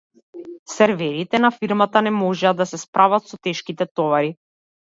Серверите на фирмата не можеа да се справат со тешките товари.